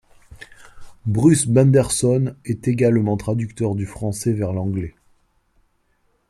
Bruce Benderson est également traducteur du français vers l'anglais.